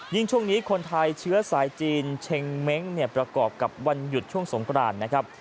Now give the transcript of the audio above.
ช่วงนี้คนไทยเชื้อสายจีนเชงเม้งเนี่ยประกอบกับวันหยุดช่วงสงกรานนะครับ